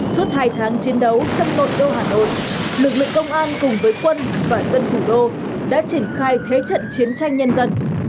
suốt hai tháng chiến đấu trong nội đô hà nội lực lượng công an cùng với quân và dân thủ đô đã triển khai thế trận chiến tranh nhân dân